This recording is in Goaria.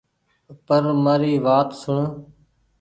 پر مآري وآت سوڻ